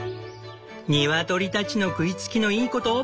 ニワトリたちの食いつきのいいこと！